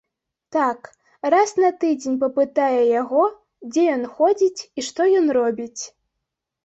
Так, раз на тыдзень папытае яго, дзе ён ходзіць і што ён робіць.